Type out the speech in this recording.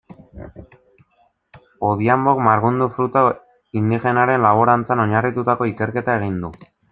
Odhiambok marbungu fruta indigenaren laborantzan oinarritututako ikerketa egin du.